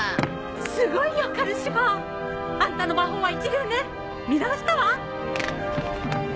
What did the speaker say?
すごいよカルシファー！あんたの魔法は一流ね見直したわ！